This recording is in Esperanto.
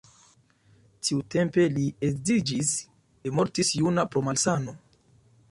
Tiutempe li edziĝis, li mortis juna pro malsano.